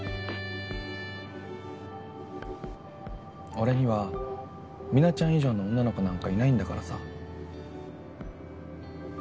俺にはミナちゃん以上の女の子なんかいないんだからさ。